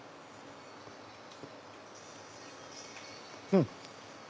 うん！